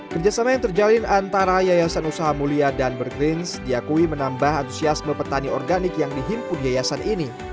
kerjasama yang terjalin antara yayasan usaha mulia dan burgrins diakui menambah antusiasme petani organik yang dihimpun yayasan ini